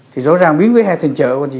thì rõ ràng biến vỉa hè thành chợ con chị